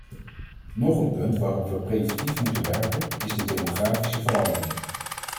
Nog een punt waarop we preventief moeten werken is de demografische verandering.